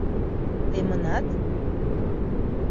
— Темынат?